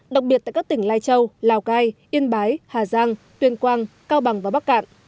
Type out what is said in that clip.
đặc biệt tại các tỉnh lai châu lào cai yên bái hà giang tuyên quang cao bằng và bắc cạn